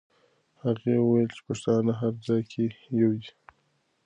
هغې وویل چې پښتانه هر ځای کې یو دي.